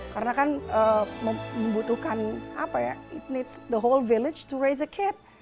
karena kan membutuhkan apa ya it needs the whole village to raise a kid